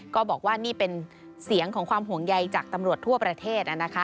ก็บอกว่านี่เป็นเสียงของความห่วงใยจากตำรวจทั่วประเทศ